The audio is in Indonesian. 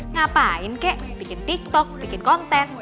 ngapain kek bikin tiktok bikin konten